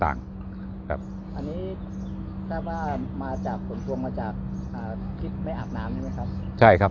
อันนี้แทบว่ามาจากผลพวงมาจากทิศไม่อาบน้ำนี่ไหมครับ